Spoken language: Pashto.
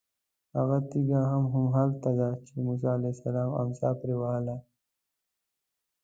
هغه تېږه هم همدلته ده چې موسی علیه السلام امسا پرې ووهله.